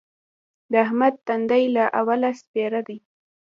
د احمد تندی له اوله سپېره دی.